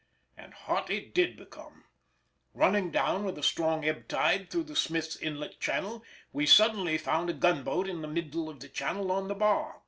And hot it did become. Running down with a strong ebb tide through the Smith's inlet channel, we suddenly found a gunboat in the middle of the channel on the bar.